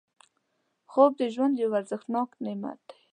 خوب د ژوند یو ارزښتناک نعمت دی